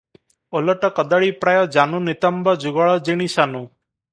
"ଓଲଟ କଦଳୀ ପ୍ରାୟ ଜାନୁ ନିତମ୍ବ ଯୁଗଳ ଜିଣି ସାନୁ ।"